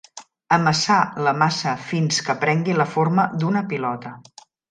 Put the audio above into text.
Amassar la massa fins que prengui la forma d'una pilota.